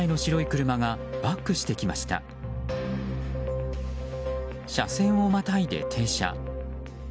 車線をまたいで停車。